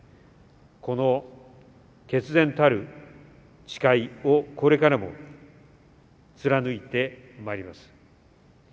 この決然たる誓いをこれからも貫いてまいります。